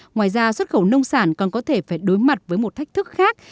ngoài ra xuất khẩu nông sản còn có thể phải đối mặt với một thách thức khác